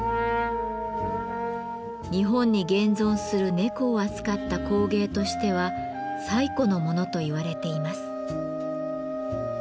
日本に現存する猫を扱った工芸としては最古のものと言われています。